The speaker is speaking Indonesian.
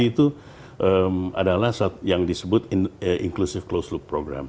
itu adalah yang disebut inclusive closed loop program